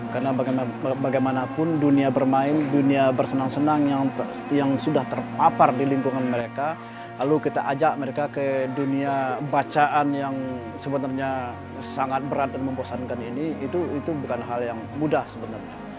karena bagaimanapun dunia bermain dunia bersenang senang yang sudah terpapar di lingkungan mereka lalu kita ajak mereka ke dunia bacaan yang sebenarnya sangat berat dan memposankan ini itu bukan hal yang mudah sebenarnya